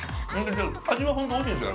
味はほんとおいしいんですよ